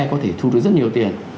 có thể thu được rất nhiều tiền